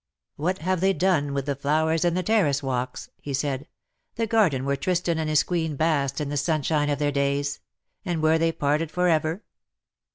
" What have they done with the flowers and the terrace walks ?'' he said, —''^ the garden where Tristan and his Queen basked in the sunshine of their days ; and where they parted for ever